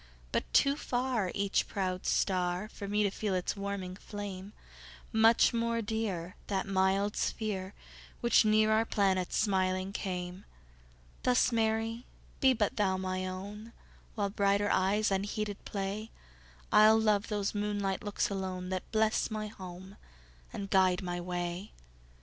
But too farEach proud star, For me to feel its warming flame; Much more dear, That mild sphere, Which near our planet smiling came; Thus, Mary, be but thou my own; While brighter eyes unheeded play, I'll love those moonlight looks alone, That bless my home and guide my way.